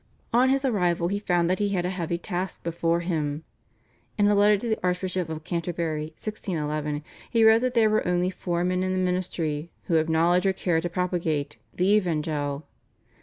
On his arrival he found that he had a heavy task before him. In a letter to the Archbishop of Canterbury (1611) he wrote that there were only four men in the ministry "who have knowledge or care to propagate the Evangell."